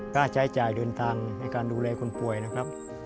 ค่าใช้จ่ายเดินทางในการดูแลคนป่วยนะครับ